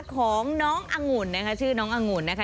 ของน้องอังุ่นนะคะชื่อน้ององุ่นนะคะ